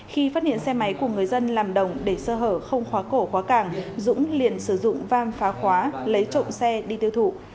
khi phát hiện xe máy của người dân làm đồng để sơ hở không khóa cổ khóa càng dũng liền sử dụng vam phá khóa lấy trộm xe đi tiêu thụ